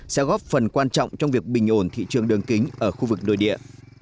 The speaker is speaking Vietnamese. sẽ góp phần quan trọng trong việc bình ổn thị trường đường kính ở khu vực nội địa